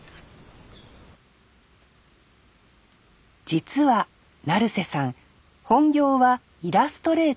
実は成瀬さん本業はイラストレーター。